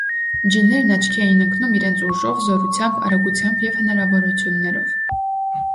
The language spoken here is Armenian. Ջիներն աչքի էին ընկնում իրենց ուժով, զորությամբ, արագությամբ և հնարավորություններով։